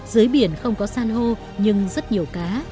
dưới biển không có san hô nhưng rất nhiều cá